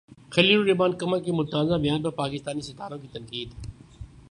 خلیل الرحمن قمر کے متنازع بیان پر پاکستانی ستاروں کی تنقید